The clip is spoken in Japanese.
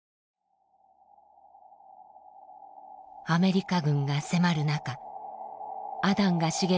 アメリカ軍が迫る中アダンが茂る